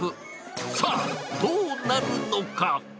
さあ、どうなるのか。